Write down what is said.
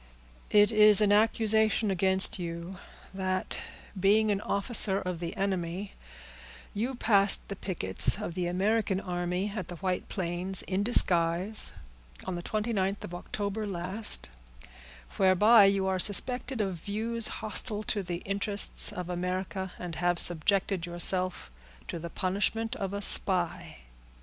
"It is an accusation against you, that, being an officer of the enemy, you passed the pickets of the American army at the White Plains, in disguise, on the 29th of October last, whereby you are suspected of views hostile to the interests of America, and have subjected yourself to the punishment of a spy."